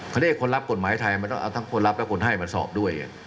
เขาเรียกคนรับกฎหมายไทยมันต้องเอาทั้งคนรับและคนให้มาสอบด้วย